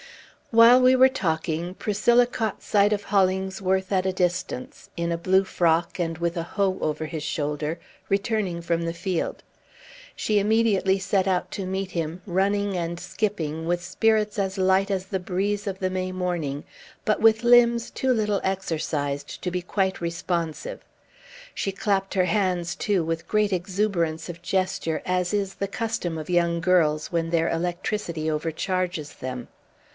While we were talking, Priscilla caught sight of Hollingsworth at a distance, in a blue frock, and with a hoe over his shoulder, returning from the field. She immediately set out to meet him, running and skipping, with spirits as light as the breeze of the May morning, but with limbs too little exercised to be quite responsive; she clapped her hands, too, with great exuberance of gesture, as is the custom of young girls when their electricity overcharges them.